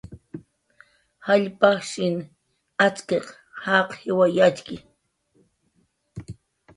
Jall pajsh atz'kiq jaq jiway yatxki